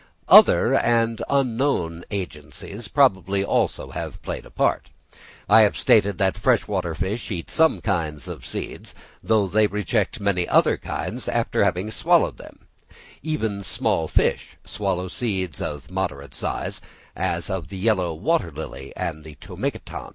Other and unknown agencies probably have also played a part. I have stated that fresh water fish eat some kinds of seeds, though they reject many other kinds after having swallowed them; even small fish swallow seeds of moderate size, as of the yellow water lily and Potamogeton.